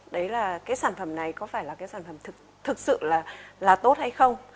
đấy là cái sản phẩm này có phải là cái sản phẩm thực sự là tốt hay không